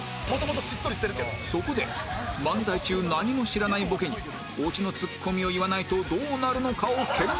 そこで漫才中何も知らないボケにオチのツッコミを言わないとどうなるのかを検証